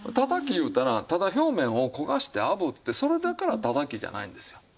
いうたらただ表面を焦がしてあぶってそれだから「たたき」じゃないんですよ。